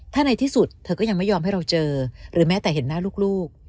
ถ้าในที่สุดเธอก็ยังไม่ยอมให้เราเจอหรือแม้แต่เห็นหน้าลูก